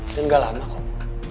dan gak lama kok